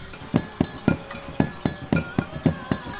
kami sudah berkembang dengan kemampuan